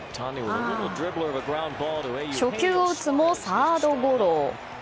初球を打つもサードゴロ。